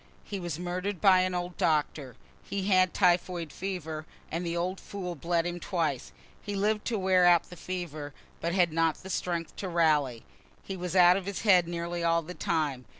He was murder'd by an old doctor. He had typhoid fever, and the old fool bled him twice. He lived to wear out the fever, but had not strength to rally. He was out of his head nearly all the time.